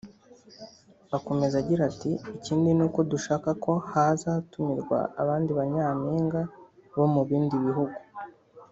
Akomeza agira ati “Ikindi ni uko dushaka ko hazatumirwa abandi ba Nyampinga bo mu bindi bihugu